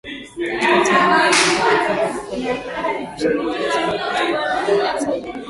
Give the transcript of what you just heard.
kati ya nyimbo zake za kwanza ulikuwa wa Bageya aliomshirikisha msanii kutoka Kenya Redsan